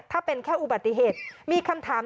ถ้าเป็นแค่อุบัติเหตุมีคำถาม